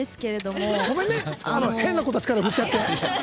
変な子から振っちゃって。